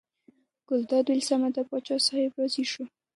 ګلداد وویل سمه ده پاچا صاحب راضي شو.